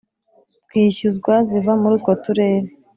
twishyuzwa ziva muri utwo turere